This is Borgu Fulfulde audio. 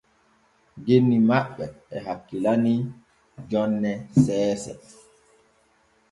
Genni ma ɓe e hakkilani jonne seese.